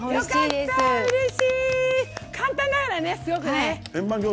簡単だからね、すごくね。